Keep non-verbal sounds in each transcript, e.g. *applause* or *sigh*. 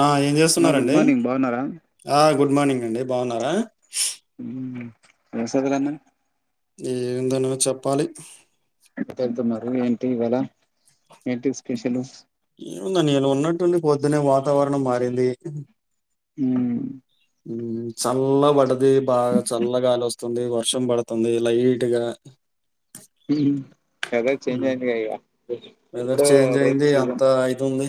ఆ ఏం మా గుడ్ చేస్తున్నారండి మార్నింగ్ బాగున్నారా ఆ గు గుడ్ మార్నింగ్ అండి బాగున్నారా ఎం *unintelligible* ఏందనో చెప్పాలి కేళ్తున్నారు ఏంటి ఇవళ ఏంటి స్పెషల్ ఏం ఉందండి ఇయలా ఉన్నట్టుడి పొద్దున్నే వాతావరణం మారింది మ్ మ్ చల్లపడ్డది బాగా చల్లగాలోస్ తుంది వర్షం పడుతుంది లైట్ గా మ్ ఎద చేంజ్ అయింది ఇక ఇప్పుడ వెదర్ చేంజ్ రైనీ అయింది. సీజన్ అంతా ఇదుంది.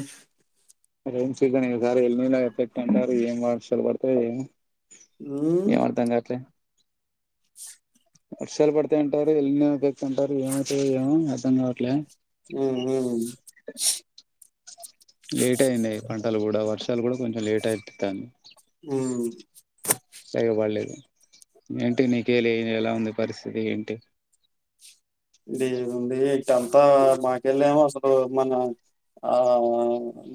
రైనీ సీజన్ ఇ సారి ఎల్ ఎట్ ఎఫెక్ట్ అంటారు ఏం వర్షాలు పడతాయి ఏమో హ్మ్. ఏమి అర్థం కాట్లే వర్షాలు పడతాయి అంటారు ఎల్ ఎఫెక్ట్ అంటారు ఏమవుతది ఏమో అర్ధం కావట్లే హ్మ్. హ్మ్. లేట్ అయింది పంటలు కూడా వర్షాలు కూడా కొంచెం లేట్ అయిపితంన్ది హు సెగ పడలేదు ఏంటి నీ కేళి ఎలా ఉంది పరిస్థితి ఏంటి ఇది ఉంది ఇట్టంతా మాకెళ్ళామో అసలు మన ఆ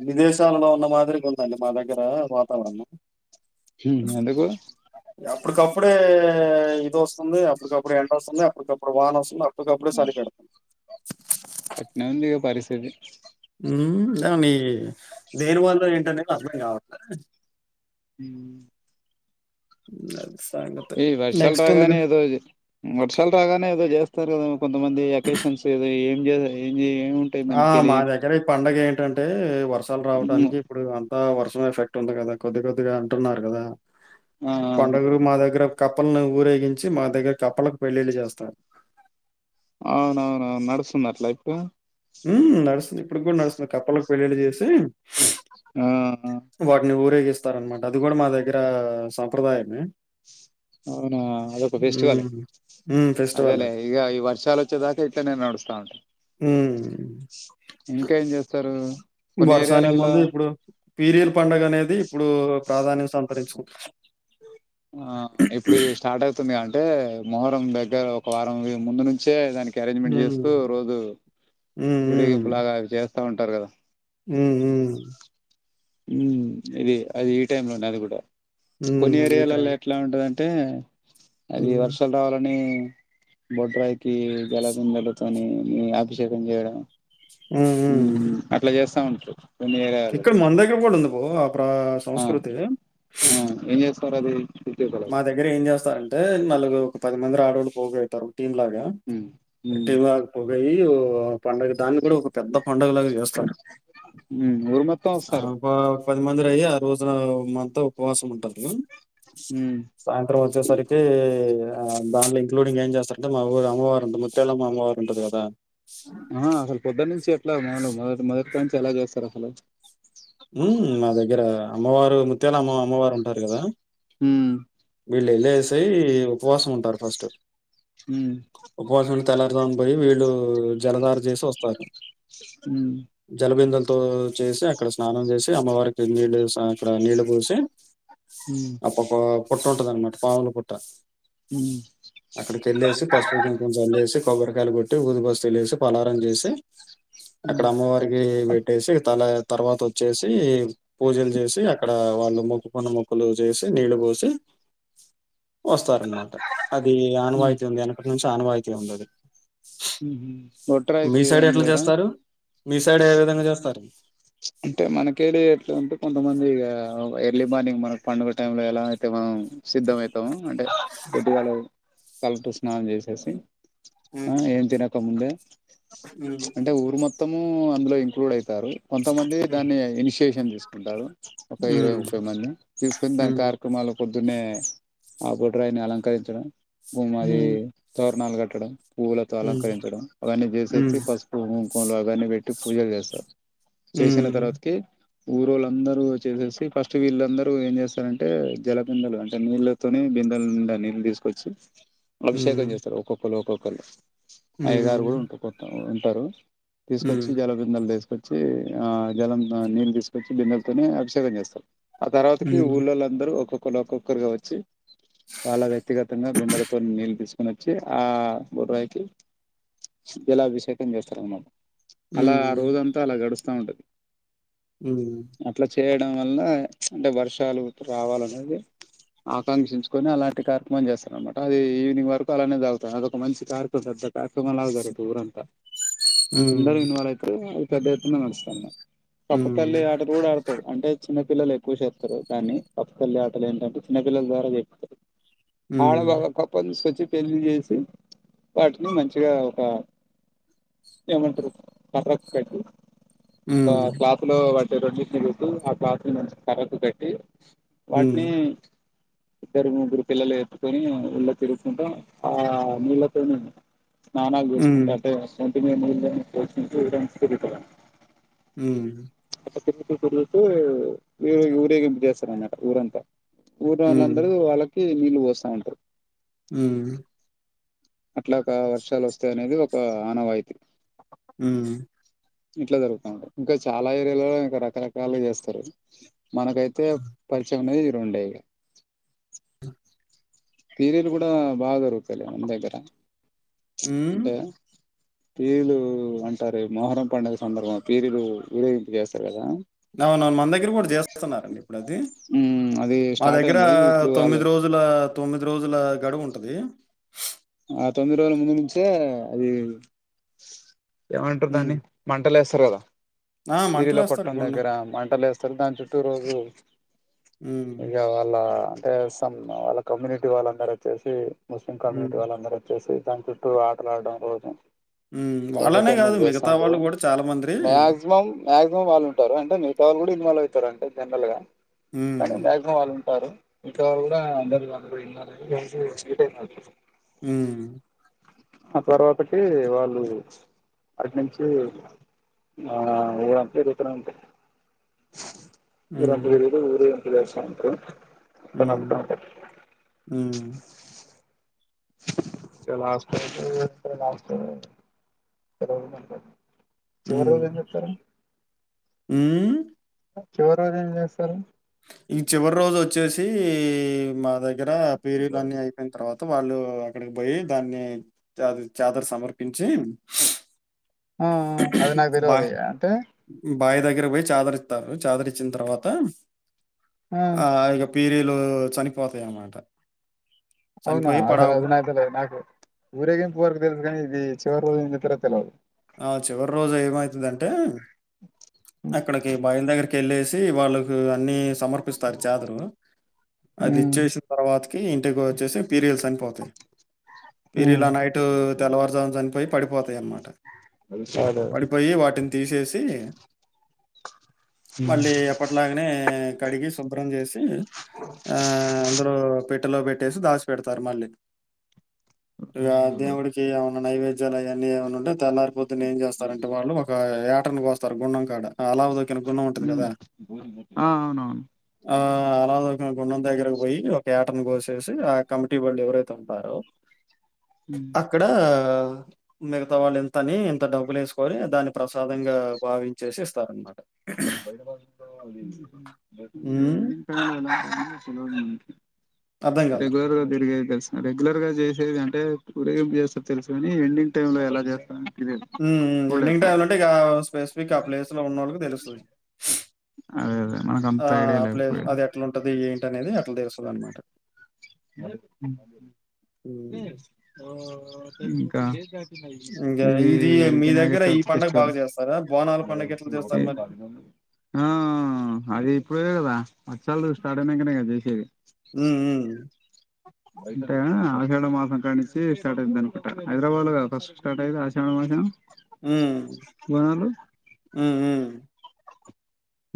విదేశాలలో ఉన్న మాదిరిగా ఉందండి మా దగ్గర వాతావరణం హ అదే కూడా అప్పుటికప్పుడే ఇది వస్తుంది అప్పుటికప్పుడు ఎండ వస్తుంది అప్పటికప్పుడు వాన వస్తుంది అప్పుడు అప్పుడుకప్పుడే సలీ పెడుతుంది అట్నే ఉంది ఇక పరిస్థితి ఇ మీ దేని వల్ల ఏంటనేది అర్థం కావట్లే హు అది సంగతి. ఈ వర్షాలు నెక్స్ట్ ఎందుకు? రాగానే ఏదో వర్షాలు రాగానే ఏదో చేస్త స్తారు కొంతమంది అకేషన్స్ ఏం ఏం ఏముంటాయి ఆ దానికెళ్ళి మా దగ్గర ఈ పండగ ఏంటి ఏంటంటే వర్షాలు ఉమ్ రావటానికి ఇప్పుడు అంతా వర్షం ఎఫెక్ట్ ఉంది కదా కొద్ది కొద్దిగా అంటున్నారు కదా ఆ పండగలు మా దగ్గర కప్పలను ఊరేగించి మా దగ్గర కప్పలకు పెళ్లిళ్ళ చేస్తారు అవునవును నడుస్తుందా అట్ల అయితే హు నడుస్తుంది ఇప్పుడు కూడా నడుస్తుంది కప్పలకి పెళ్ళళ్ళి చేసి ఆ ఆ ఉపయోగిస్తారనమాట అది కూడా మా దగ్గర సంప్రదాయమే అవునా అదొక ఫెస్టివలె హ్మ్. హ్మ్. ఫెస్టివల్ అదేలే అది. ఈగ ఈ వర్షలు వచ్చే దాక ఇట్లనే నడుస్త ఉంట హ్మ్. ఇంకేం చేస్తారు కొన్ని ఏరియాలలో పీరియల్ పండుగ అనేది ఇప్పుడు ప్రాధాన్యం సంపరించుంది ఆ ఇప్పుడు స్టార్ట్ అవుతుంది కద అంటే మొహరం దగ్గర ఒక వారం ముందు నుంచే దానికి అరేంజ్మెంట్ చేస్తూ హ్మ్. రోజు హ్మ్. ఊరేగింపు లాగా అవి చేస్తా ఉంటారు కదా హుహు మ్ ఇది అది ఈ టైం లోనే అది కూడా కొన్ని హ్మ్. ఈ ఏరియాలలో టైం. ఎట్లా ఉంటదంటే అంటే అది హ్మ్. వర్షాలు రావాలని బొడ్రాయికి జలదిందలతోని అభిషేకం చేయడం హ్మ్. ఉ హ్మ్. అట్లా చేస్తా ఉంటారు కొన్ని ఏరియాలలో ఇక్కడ మన దగ్గర కూడా ఉంది బ ఆ ప్ర సంస్కృతి పరధి మా దగ్గర ఏం చేస్తారంటే నలుగురు ఒక పది మంది రాడోళ్ళు పోగ అయితారు టీం లాగా ఉమ్ ఉమ్ టీం లాగా పోొగయి ఓ పండగ దాన్ని కూడా ఒక పెద్ద పండగ లాగా చేస్త ఉమ్ ఊరు మొత్తం వస్తారు అబ పది మందిరయ్యి ఆ రోజున మంతా ఉపవాసం ఉంటారు హు సాయంత్రం వచ్చేసరికి దాంట్లో ఇన్క్లూడింగ్ ఏం చేస్తారంటే మా ఊరు అమ్మవారు ఉంటది ముత్యళ్ళమ్మ అమ్మవారు ఉంటది కదా ఆ అసలు పొద్దునుంచి ఎట్లా మలు మొ మొదటించి ఎలా చేస్తారు అసలు ఉ మా దగ్గర అమ్మవారు ముత్యాల అమ్మ అమ్మవారు ఉంటారు కదా. ఉ వీళ్ళు వెళ్ళేసి ఉపవాసం ఉంటారు ఫస్ట్. ఉమ్ ఉపవాసం ఉంటే తెల్లారుజా పోయి వీళ్ళు జలధార చేసి వత్తారు. ఉ తో చేసి అక్కడ స్నానం చేసి అమ్మవారికి నీల్లు అక్కడ నీళ్ళు పోసి ఉమ్ అప్పప పుట్ట ఉంటదనమాట పాముల పుట్ట ఉమ్ అక్కడ చల్లేేసి పసుపు కొంచం చల్లేసి కొబ్బరికాయలు కొట్టి ఊదుబస్త లేసి పలారం చేసి అక్కడ ఉమ్ అమ్మవారికి పెట్టేసి తల తర్వాత వచ్చేసి పూజలు చేసి అక్కడ ఇడ వాళ్ళు మొక్కుకున్న మొక్కులు చేసి నీళ్ళు పోసి వస్తారన్నమాట అది ఆనవాయితీ ఉంది. వెనకటి నుంచి ఆనవాయితీ ఉందది. ఉ మీ సైడ్ ఎట్లా చేస్తారు. మీ సైడ్ ఏ విధంగా చేస్తారు. అంటే మనకేలే ఎట్లాంటే కొంతమంది ఎర్లీ మార్నింగ్ మన పండుగ టైమ్ లో ఎలా అయితే మనం సిద్ధమవుతామో అంటే పొద్దుగాళ కలటూ స్నానం చేసేసి ఆ హ్మ్. ఏం తినకముందే హ్మ్. అంటే ఊరు మొత్తము అందులో ఇంక్లూడ్ అయితారు. కొంతమంది దాన్ని ఇనిషియేషన్ చే తీసుకుంటారు ఒక ఇరవై హ్మ్. ముప్పై మంది తీసుకొని దాని హ్మ్. కార్యక్రమాలు పొద్దున్నే ఆ బుడ్రాయిని అలంకరించడం భమాది హ్మ్. తోరణాలు కట్టడం పూలతో హ్మ్. అలంకరించడం అవన్నీ చేసేసి హ్మ్. పసుపు కుంకుమలు అవన్నీ పెట్టి పూజలు చేస్తారు. చేసిన హ్మ్. తర్వాతకి ఊరోళ్ళందరూ వచ్చేసేసి ఫస్ట్ వీళ్ళందరూ ఏం చేస్తారంటే, జలపిందలు అంటే నీళ్ళతోనే బిందలనిండ నీళ్ళు తీసుకొచ్చి అభిషేకం హ్మ్. చేస్తారు. ఒక్కొక్కలు ఒక్కొక్కల్లు అయ్యగారు కూడా హ్మ్. ఉంట ఉంటారు. తీసుకొచ్చి హ్మ్. జలబిందలు తీసు వచ్చి ఆ జలం నీళ్ళు తీసుకొచ్చి బిందేలతోనే అభిషేకం చేస్తారు. ఆ తర్వాతకి హ్మ్. ఊళ్ళోళందరూ ఒక్కొక్కరు ఒక్కొక్కరుగా వచ్చి చాలా వ్యక్తిగతంగా బిందెలతో నీళ్ళు తీసుకొని వచ్చి ఆ బర్రాయికి జలాభిషేకం చేస్తారనామ అలా ఆ హ్మ్. రోజంత పడుస్తా ఉంటది అనా డం వల్ల అంటే వర్షాలు రావాలనేది ఆకాంక్షించుకొని అలాంటి కార్యక్రమం చేస్తార అనమాట. అది ఈవినింగ్ వరకు అలానే తాగుత అది ఒక మంచి కార్యక్రం పె పక్క మలా జరుగతే ఊర అంత హ్మ్. అందరు హ్మ్. ఇన్వాల్వ్ అయితే అది పెద్ద ఎత్తున నడస్తా కప్పతల్లి హ్మ్ ఆటలు కూడా ఆడుతది అంటే చిన్న పిల్లలు ఎక్కువ చేస్తారు. కాని కప్పతల్లి ఆటలు ఏంటంటే చిన్నపిల్లల ద్వారా చెప్ ఆళ హ్మ్ బాగా కప్పం సచి పెళ్లిచేసి వాటిని మంచిగా ఒక ఏమంటరు కటకు కట్టి హ్మ్ క్లాత్ లో పడ్ రెండిటిని పెట్టి ఆ క్లత్ ని కర్రకు పెట్టి హ్మ్ వాటిని ఇద్దరు ముగ్గురు పిల్లలు ఎత్తుకొని ఇళ్ళ తిరుకుంటా ఆ నీళ్ళతోనే స్నానాలు హ్మ్ జేసుకుంటఅంటే వస్తుంటే మేము తిరుగుతం. ఉ *unintelligible* తిప్పి ఊరేగింపు చేస్తారనమాట ఊరంతా వూర్లో హ్మ్ వాళ్ళందరు వాళ్ళకి నీళ్ళు పోస్తా ఉంటారు ఉ అట్లాగా వర్షాలు వస్తాయానేది ఒక ఆనవాయితీ ఉ ఇట్లా జరుగుతా ఉంటది ఇంకా చాలా ఏరియాలలో ఇంకా రకరకాలు చేస్తారు, మనకైతే పరిచయం ఉండేది ఇవి రెండే ఇగ పీరీలు కూడా బాగా జరుగుతాయిలే మన దగ్గర చ్ హ్మ్ అంటే పీరులు అంటారే మొహరం పండగ సందర్భంగా పీరులు ఉరేగింపు చేస్తారు కదా. అవునవును మన దగ్గర కూడా చేస్తున్నారండి ఇప్పుడు అది. ఉమ్ అది మా స్టార్ట్ దగ్గర అయింది ఇప్పుడు వాళ్ళు తొమ్మిది రోజుల తొమ్మిది రోజుల గడువు ఉంటది. ఆ తొమ్మిది రోజుల ముందు నుంచే అది ఏమంటారు హ్మ్. దాన్ని మంటలేస్త తరదా ఆ! పీరిలా మంటలేస్తారు కొట్టం గుండం. దగ్గర మంటలేస్త లేస్తారు దాని చుట్టూ రోజు హ్మ్. ఇక వాళ్ళ అంటే సమ్ వాళ్ళ కమ్యూనిటీ వాళ్ళందరు వచ్చేసి ముస్లిం కమ్యూనిటీ హ్మ్. వాళ్ళందరు వచ్చేసి. దాని చుట్టూ ఆటలాడడం రోజు ఉ వాళ్ళనే కాదు మిగతా వాళ్ళు కూడా చాలా మంద్రి మాక్సిమమ్ మాక్సిమమ్ వాళ్ళు ఉంటారు అంటే మిగతా వాళ్లు కూడా ఇన్వాల్ అయ్ తారు అంటే జనరల్గా హ్మ్. కానీ మాక్సిమమ్ వాళ్ళు ఉన్ టారు ఇంకా కూడా అందరు వాళ్ళు విన్నారు *unintelligible* ఉ ఆ తర్వాతకి వాళ్ళు అట్నుంచి ఆ *unintelligible* *inaudible* హ్మ్. ఊరందురు ఊరేగింపుగా వచ్చినప్పుడు ఉ ఉ ఇక లాస్ట్ రోజు *unintelligible* చివరి రోజు ఏం చేస్తారు ఊ చివరి రోజు ఏం చేస్తారు ఈ చివరి రోజు వచ్చేసి మా దగ్గర పేరీలు అన్ని అయిపోయిన తర్వాత త వాళ్ళు అక్కడికి పోయి దాన్ని చా చాదర సమర్పించి ఆ అది నాకు బా తెలియదు ఇగ అంటే బావి దగ్గరకి పోయి చాదరిస్తారు చాదరిచ్చిన తర్వాత ఆ ఇగ పిరీలు లు చనిపోతాయ్ అనమాట అవునా అసలు అది నాకు నాకు ఊరేగింపు వరుకు తెలుసు కానీ చివర్లో ఎమ్ చేస్తారో తెలియదు ఆ చివరి రోజు ఏమైతుది అంటే అక్కడికి బాయిలు దగ్గరికి వెళ్ళేసి వాళ్ళకు అన్ని సమర్పిస్తారు చాదరు అది ఉమ్ ఇచ్చేసిన తర్వాత ఇంటికి వచ్చేసి పీరిల్స్ చనిపోతాయి పీరిల్ ఉమ్ నైట్ తెల్లవారుజామున చనిపోయి పడిపోతాయి అన్నమాట. వైసాలు టిని తీసేసి మళ్ళీ ఎప్పట్లాగనే కడిగి శుభ్రం చేసి ఆ అందులో పెట్ పెట్టిల్లో పెట్టేసి దాచిపెడతారు మళ్ళీ ఇగ దేవుడికి మన నైవేద్యాలు అవన్నీ ఏమన్నా ఉంటే తెల్లారి పొద్దుని ఏం చేస్తారంటే వాళ్ళు ఒక యాటను కోస్తారు గుండం కాడ. అలావ దొకిన గున్నం ఉంటది ఉమ్ కదా ఆ అవునవును ఆ అలాది గుండం దగ్గరకు పోయి ఒక ఏటను కోసేసి ఆ కమిటీ వాళ్ళు ఎవరైతే ఉంటారో. అక్కడ మిగతా వాళ్ళు ఎం తని ఇంత డబ్బులు వేసుకొని దాన్ని ప్రసాదంగా భావించేసి ఇస్తారనమాట. *inaudible* అర్థం కాల రెగ్యులర్గా తిరిగేవి తెల రెగ్యులర్ గా చేసేది అంటే ఊరేగింపు చేస్తారు తెలుసు కాని ఎండింగ్ టైమ్ లో ఎలా చేస్తార్ అని. ఉమ్ ఉమ్ ఎన్నిక *unintelligible* ఇగ స్పెసిఫిక్ ఆ ప్లేస్ లో ఉన్న వాళ్ళకి తెలుస్తుంది. అదే అదే మనకు ఆ అంత ఐడియా లేకపోయేది ప్లఅది ఎట్లాంటది ఏంటి అనేది అట్లా తెలుస్తుంది అనమాట హ్మ్. ఇంకా ఇంగా ఇది మీ వినాయక దగ్గర ఈ చవితి పండగ ఫెస్టివల్. బాగా చేస్తారా? బోనాల పండగ ఎట్లా చేస్తారు మరి? ఆ అది ఇప్పుడు ఇ కదా అ వర్షాలు స్టార్ట్ నాకనే కద చే హుహు అంట ఆషాఢ మాసం కాడి నుంచి స్టార్ట్ అనకట హైదరాబాద్ లోదు ఫస్ట్ స్టార్ట్ అయింది ఆషాఢ మాసం. బోనాలు హుహు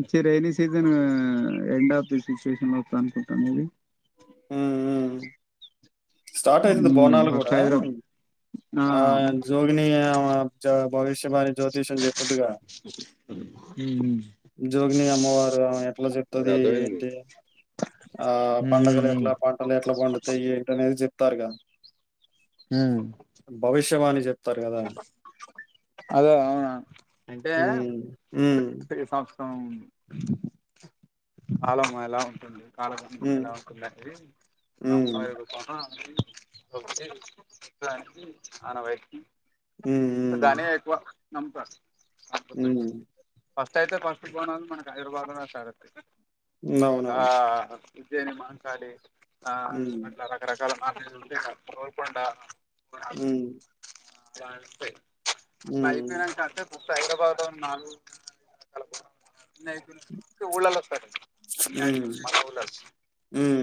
ఇట్స్ ఎ రైనీ సీజన్ ఆ ఎండ్ ఆఫ్ ది సిచ్యువేషన్ అనుకుంటాను అది. హుహు స్టార్ట్ అవుతుది మ్మ్ బోనాలు ఫస్ట్ కూడా హైదరాబాద్ ఆ జోగని భవిష్య బణ జ్యోతిష చెప్పుది గా మ్మ్ జోగిని అమ్మవారు ఆవున ఎట్లా చెప్తుది ఏంటి. ఆ పండగలు మ్మ్ ఎట్ల పంటలు ఎట్ల పండుతాయి ఏంటనేది చెప్. స్థారుగా మ్మ్ భవిష్యవాని చెప్. అదే అవునా అంటే హ్మ్. హ్మ్. మొత్తం కాలం ఎలా ఉంటుంది కాలం హ్మ్. ఎలా ఉంటది అనేది హ్మ్. *inaudible* అన వైకి *inaudible* హ్మ్. దాని ఎవ నమక ఉమ్ ఫస్ట్ అయితే ఫస్ట్ బోనం మనకు హైదరాబాద్లోనే స్టార్ట్ అవుతాయి హ్మ్. అవునవును. ఉజ్యాని మాంకాలి ఆ హ్మ్. అట్లా రకరకాల *unintelligible* గోల్కొండ ఉమ్ *inaudible* సైదరాబాద్ లో నాలుగు *inaudible* ఊళ్ళల్లో స్టార్ట్ హ్మ్. *inaudible*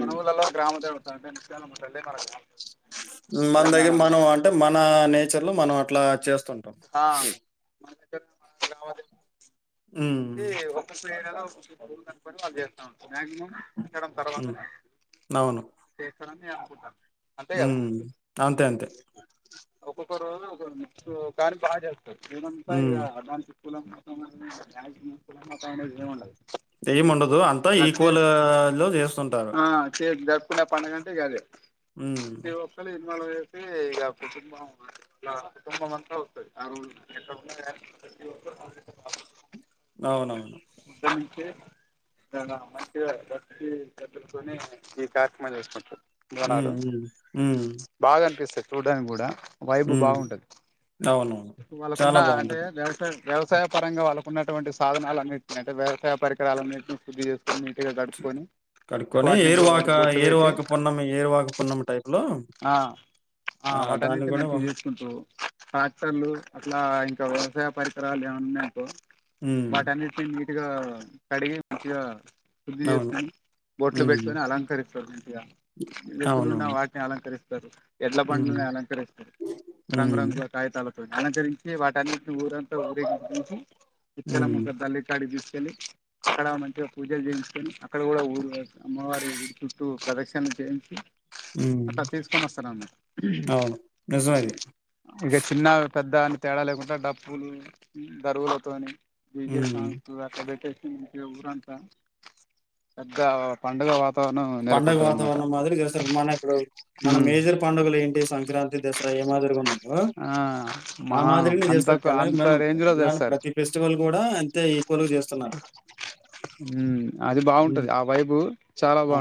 మన ఊర్లలో గ్రామ దేవత అంటే ముత్యాలమ్మ దేవతే మన గ్రామ దేవత మన దగ్గర మనం అంటే మన నేచర్ లో మనం అట్లా చే. స్తూటాం ఉమ్ హ్మ్. ఒక్కనుకొని వాళ్ళు చేస్తా ఉ మ్యాక్సిమం అట్టడం హ్మ్. తర్వాతనే చేస్తానని అనుకుంటాను. అంతే ఉ కదా అంతే అంతే ఒక్కొక్క రోజు ఒక కానీ బాగా చేస్తారు ఇదంతా ఇగ హ్మ్. అడ్వాన్స్. కులం మతం *unintelligible* కులం మతం అనేది ఏం ఉండదు. ఏం ఉండదు అంతా ప్రతి ఈక్వల్ లో చేస్తు ఆ రుకుడా *unintelligible* పండుగంటే ఇయ్యాలి హ్మ్. ప్రతి ఒక్కళు ఇన్వాల్వ్ అయ్యారు ఆ కుటుంబం ఆ కుటుంబం అంత వస్తాది ఆ రోజు అవునవును *unintelligible* చూస్తుంటురు హ్మ్. బోనాలు హ్మ్. హ్మ్. బాగా అనిపిస్తాది చూడ్డానికి కూడా హ్మ్. అవునవును. వాళ్ళకున్న చాలా అంటే బావుంటది. వ్యవసాయం వ్యవసాయ పరంగా వాళ్ళకున్నటువంటి సాధనాలు అన్నిటిని అంటే వ్యవసాయ పరికరాల అన్నింటిని శుద్ధి చేసి నీట్గా కడుక్కొని కడుక్కొని వాటిని ఏరువాక వాటికి బొట్లు పెట్టి ఏరువాక పున్నమి ఏరువాక పున్నం టైపు లో ఆ ఆ వాటన్నింటిని మంచి చేసుకుంట్రు ట్రాక్టర్లు అట్ల ఇంక వ్యవసాయ పరికరాలు ఏమన్నా ఉన్నట్టు హ్మ్. వాటిని అన్నిటిని నీట్ గా కడిగే ఇట్లా శుద్ధి అవును. చేసి బొట్లు హ్మ్. పెట్టుకొని అలంకరిస్తారు మంచిగా ఎద్దులున్న అవునవును. వాటిని అలంకరిస్తారు ఎడ్ల బండ్ల హ్మ్. ని అలంకరిస్తారు రంగురంగుల హ్మ్. కాయితాల తో అలంకరించి వాటిన్నింటిని ఊరంతా ఊరేగించి హ్మ్. ముత్తాలమ్మ తల్లి కాడికి అక్కడ మంచిగా పూజలు చేయించుకొని అక్కడ కూడా ఊరు బయట అమ్మవారి గుడి చుట్టూ ప్రదక్షణ చేయించి హ్మ్. అట్ల తీసుకొని వస్తారన్న అవును. నిజమే ఇది. ఇగ చిన్న పెద్ద అని తేడా లేకుండా డప్పులు దరువులతోని డిజె హ్మ్. సాంగ్స్ అట్ల పెట్టేసి ఇంకా ఊరంతా పెద్ద పండుగ వాత పండుగ వాతావరణం మాదిరి చేస్తారు మన ఇప్పుడు మన మేజర్ పండుగలు ఏంటి సంక్రాంతి దసరా ఆ ఆ మా మాదిరిగనే చేస్తారు అంతకు అంత రేంజ్ లో తెలంగాణ చేస్తారు ప్రతి ఫెస్టివల్ కూడా మ్మ్ అది బాగుంటది హ్మ్. ఆ వైబ్ చాలా బాగు